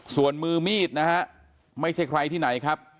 ส่วนมือมีดนะฮะไม่ใช่ใครที่ไหนครับ